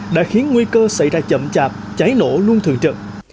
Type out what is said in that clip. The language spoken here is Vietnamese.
đã khiến nguy cơ xảy ra chậm chạp cháy nổ luôn thường trực